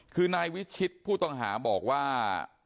คือนายวิชิตผู้ต้องหาบอกว่า